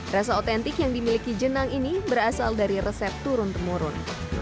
rasa otentik yang dimiliki jenang ini berasal dari resep turun temurun